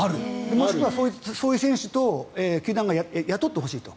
もしくはそういう選手を球団が雇ってほしいと。